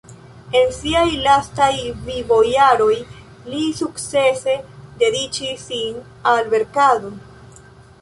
En siaj lastaj vivo-jaroj, li sukcese dediĉis sin al verkado.